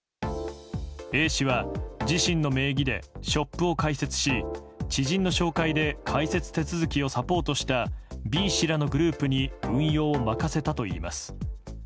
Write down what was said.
Ａ氏は自身の名義でショップを開設し知人の紹介で開設手続きをサポートしたＢ氏らのグループに運用を任せたといいます。